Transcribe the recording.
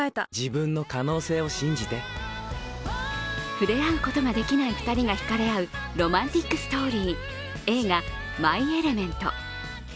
触れ合うことができない２人がひかれ合うロマンティックストーリー映画「マイ・エレメント」。